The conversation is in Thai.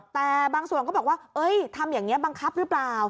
แต่บางส่วนก็บอกว่าทำอย่างนี้บังคับหรือเปล่า